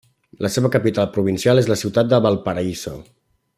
La seva capital provincial és la Ciutat de Valparaíso.